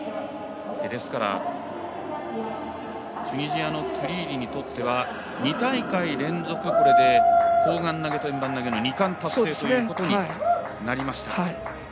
ですからチュニジアのトゥリーリにとっては２大会連続、これで砲丸投げと円盤投げの２冠達成となりました。